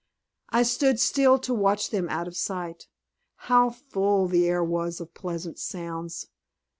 I stood still to watch them out of sight. How full the air was of pleasant sounds!